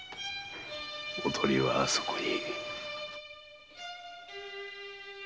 おとりはあそこに。